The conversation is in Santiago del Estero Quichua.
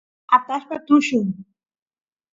atashpa tullun